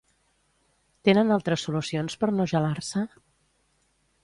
Tenen altres solucions per no gelar-se?